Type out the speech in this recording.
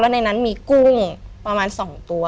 ในนั้นมีกุ้งประมาณ๒ตัว